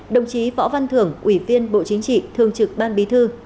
đồng chí võ văn thưởng ủy viên bộ chính trị thường trực ban bí thư